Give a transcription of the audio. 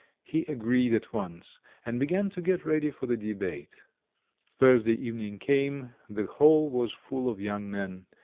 He agreed at once and began to get ready for the debate. Thursday evening came; the hall was full of young men.